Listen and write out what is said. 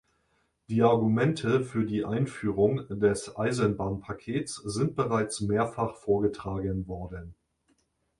Die Argumente für die Einführung des Eisenbahnpakets sind bereits mehrfach vorgetragen worden.